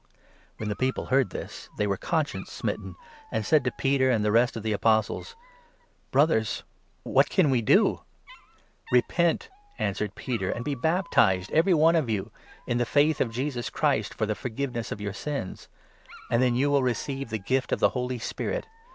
When the people heard this, they were conscience smitten, 37 and said to Peter and the rest of the Apostles :" Brothers, what can we do ?" "Repent," answered Peter, "and be baptized every one 38 of you in the Faith of Jesus Christ for the forgiveness of your sins ; and then you will receive the gift of the Holy Spirit.